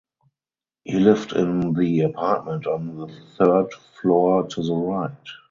He lived in the apartment on the third floor to the right.